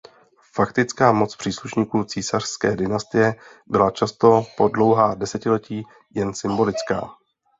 Faktická moc příslušníků císařské dynastie byla často po dlouhá desetiletí jen symbolická.